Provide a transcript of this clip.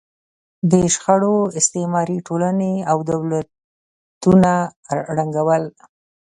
دې شخړو استعماري ټولنې او دولتونه ړنګول.